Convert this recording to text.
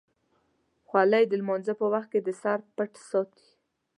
خولۍ د لمانځه وخت کې د سر پټ ساتي.